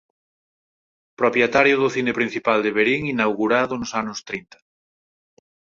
Propietario do Cine Principal de Verín inaugurado nos anos trinta.